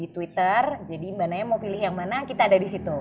di twitter jadi mbak naya mau pilih yang mana kita ada di situ